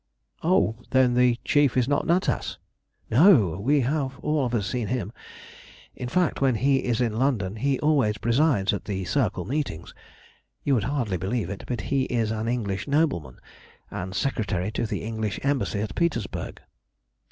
"Oh, then the Chief is not Natas?" "No, we have all of us seen him. In fact, when he is in London he always presides at the Circle meetings. You would hardly believe it, but he is an English nobleman, and Secretary to the English Embassy at Petersburg."